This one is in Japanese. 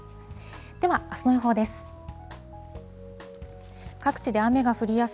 では、あすの予報です。